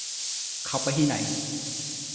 เค้าไปที่ไหน